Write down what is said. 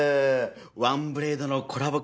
『ワンブレイド』のコラボ